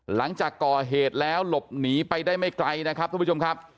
หลังจากก่อเหตุแล้วหลบหนีไปได้ไม่ไกลนะครับทุกผู้ชมครับ